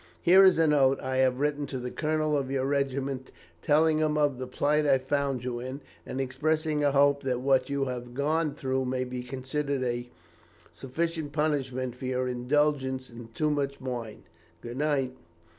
Here is a note I have written to the colonel of your regiment telling him of the plight I found you in, and expressing a hope that what you have gone through may be considered a sufficient punishment for your indulgence in too much wine. Good night.'